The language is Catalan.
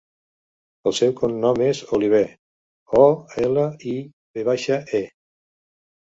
El seu cognom és Olive: o, ela, i, ve baixa, e.